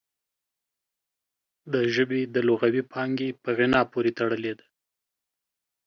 د ژبې د لغوي پانګې په غنا پورې تړلې ده